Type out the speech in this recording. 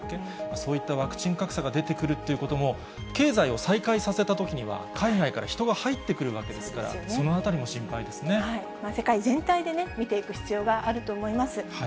そういったワクチン格差が出てくるっていうことも、経済を再開させたときには、海外から人が入ってくるわけですから、そのあたり世界全体で見ていく必要があると思います。